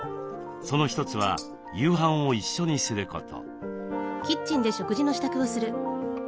その一つは夕飯を一緒にすること。